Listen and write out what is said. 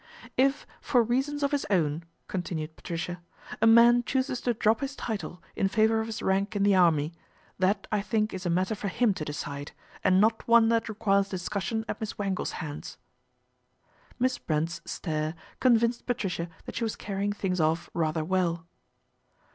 " If, for reasons of his own," continued Patricia, " a man chooses to drop his title in favour of his rank in the army, that I think is a matter for him to decide, and not one that requires discussion at Miss Wangle's hands." Miss Brent's stare convinced Patricia that she was carrying things off rather well.